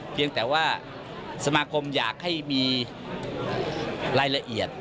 เพียงแต่ว่าสมาคมอยากให้มีรายละเอียด